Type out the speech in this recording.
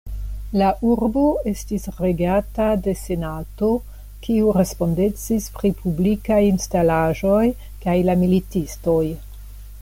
La urbo estis regata de Senato, kiu respondecis pri publikaj instalaĵoj kaj la militistoj.